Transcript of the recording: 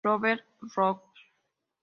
Robert Lockwood Jr.